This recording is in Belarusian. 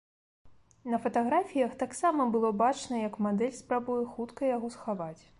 На фатаграфіях таксама было бачна, як мадэль спрабуе хутка яго схаваць.